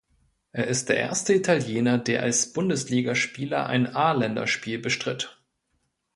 Er ist der erste Italiener, der als Bundesligaspieler ein A-Länderspiel bestritt.